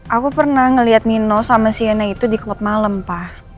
aku pernah ngeliat mino sama sienna itu di klub malem pak